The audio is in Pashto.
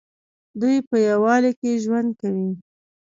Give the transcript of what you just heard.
دوی په یووالي کې ژوند کوي.